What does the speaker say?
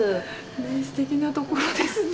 すてきなところですね。